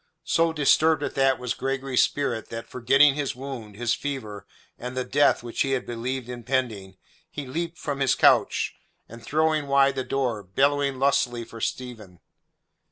So disturbed at that was Gregory's spirit that, forgetting his wound, his fever, and the death which he had believed impending, he leapt from his couch, and throwing wide the door, bellowed lustily for Stephen.